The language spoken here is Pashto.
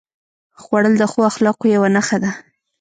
خوړل د ښو اخلاقو یوه نښه ده